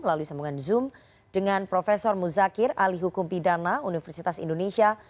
lalu sambungan zoom dengan prof muzakir alihukum pidana universitas indonesia